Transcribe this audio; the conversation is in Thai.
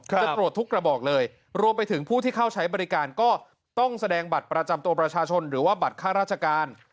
จะตรวจทุกกระบอกเลยรวมไปถึงผู้ที่เข้าใช้บริการก็ต้องแสดงบัตรประจำตัวประชาชนหรือว่าบัตรค่าราชการ